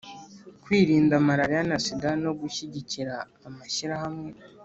kwirinda malaria na sida no gushyigikira amashyirahamwe